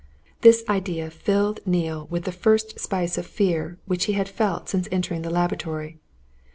This idea filled Neale with the first spice of fear which he had felt since entering the laboratory.